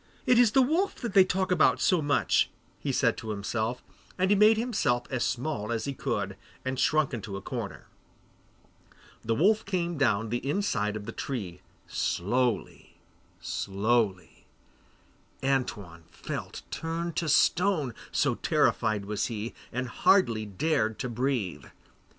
'It is the wolf that they talk so much about,' he said to himself, and he made himself as small as he could and shrunk into a corner. The wolf came down the inside of the tree, slowly, slowly; Antoine felt turned to stone, so terrified was he, and hardly dared to breathe.